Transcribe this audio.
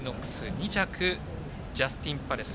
２着、ジャスティンパレス。